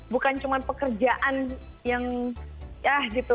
bukan cuma pekerjaan yang ya gitu